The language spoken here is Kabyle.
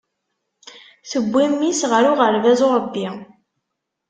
Tewwi mmi-s ɣer uɣerbaz uṛebbi.